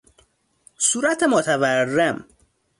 صورت متورم